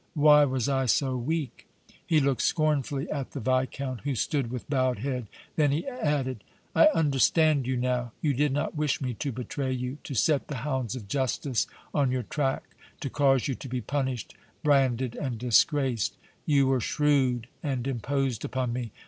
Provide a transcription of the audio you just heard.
"Why was I so weak!" He looked scornfully at the Viscount, who stood with bowed head. Then he added: "I understand you now! You did not wish me to betray you, to set the hounds of Justice on your track, to cause you to be punished, branded and disgraced! You were shrewd and imposed upon me.